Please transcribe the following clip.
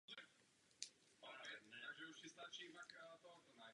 Takže dostanete informace, které máme k dispozici.